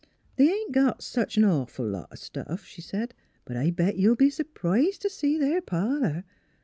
" They ain't got sech a nawful lot o' stuff," she said; "but I'll bet you'll be s'prised t' see their parlor.